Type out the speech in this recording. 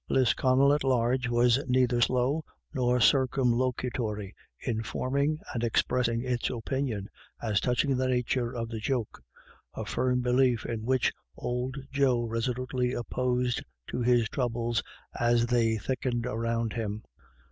Lisconnel at large was neither slow nor circumloc utory in forming and expressing its opinion as touching the nature of the joke, a firm belief in which old Joe resolutely opposed to his troubles as they thickened around him.